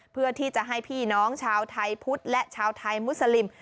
เพื่อที่จะให้พี่น้องชาวไทยพุทธและชาวไทยมุสลิม